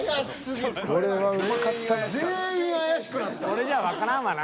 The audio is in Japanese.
［これじゃわからんわな］